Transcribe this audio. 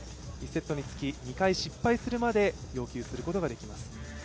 １セットにつき２回失敗するまで要求することができます。